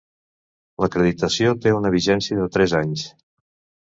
L'acreditació té una vigència de tres anys.